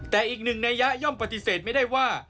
แต่อีกหนึ่งนัยยะย่อมปฏิเสธไม่ได้ว่า